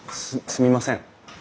すみません。